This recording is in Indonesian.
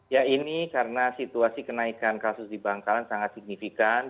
ya ini karena situasi kenaikan kasus di bangkalan sangat signifikan